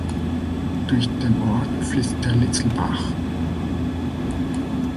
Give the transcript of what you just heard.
Durch den Ort fließt der Litzelbach.